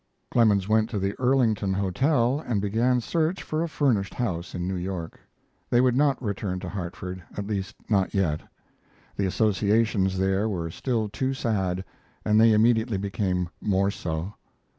Clemens went to the Earlington Hotel and began search for a furnished house in New York. They would not return to Hartford at least not yet. The associations there were still too sad, and they immediately became more so.